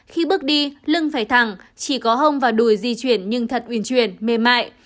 khi bước đi lưng phải thẳng chỉ có hông và đuổi di chuyển nhưng thật uyển chuyển mềm mại